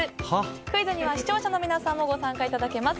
クイズには視聴者の皆さんもご参加いただけます。